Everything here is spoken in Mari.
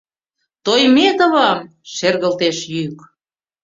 Тойметовым! — шергылтеш йӱк.